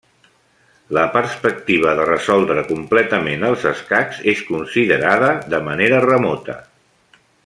La perspectiva de resoldre completament els escacs és considerada de manera remota.